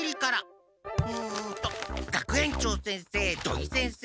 うんと学園長先生土井先生